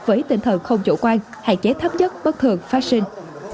với tinh thần không chủ quan hạn chế thấp nhất bất thường phát sinh